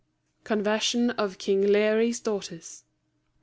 ] CONVERSION OF KING LAOGHAIRE'S DAUGHTERS.